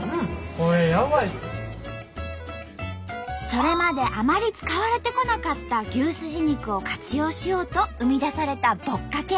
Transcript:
それまであまり使われてこなかった牛すじ肉を活用しようと生み出されたぼっかけ。